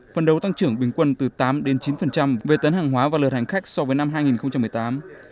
phần đấu tăng trưởng bình quân từ tám đến chín về tấn hàng hóa và lượt hành khách so với năm hai nghìn một mươi tám